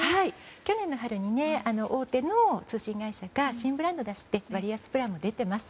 去年の春に大手の通信会社が新ブランドを出して割安プランも出ています。